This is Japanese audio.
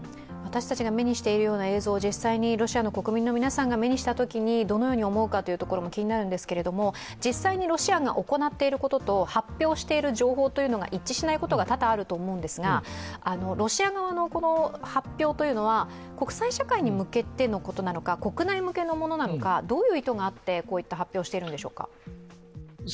私たちが目にしているような映像をロシアの国民の皆さんが目にしたときにどのように思うかというところも気になるんですけれども、実際にロシアが行っていることと発表している情報が一致しないことが多々あると思うんですがロシア側の発表というのは国際社会に向けてのことなのか国内向けのものなのかどういう意図があってこうやって発表しているんでしょうか？